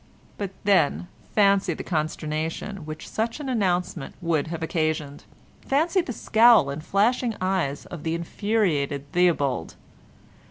But then fancy the consternation which such an announcement would have occasioned! Fancy the scowl and flashing eyes of the infuriated Theobald!